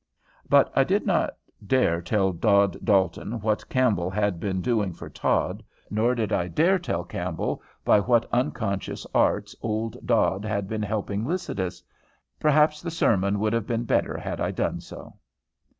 But I did not dare tell Dod Dalton what Campbell had been doing for Todd, nor did I dare tell Campbell by what unconscious arts old Dod had been helping Lycidas. Perhaps the sermon would have been better had I done so.